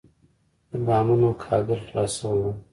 د بامونو کاهګل خلاص شوی و.